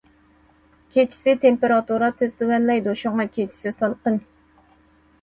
كېچىسى تېمپېراتۇرا تېز تۆۋەنلەيدۇ، شۇڭا كېچىسى سالقىن.